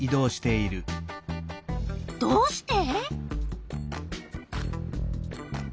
どうして？